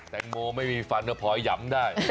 แตงโมไม่มีฟันก็พอหยำได้